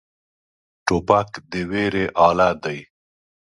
توپک د ویرې اله دی.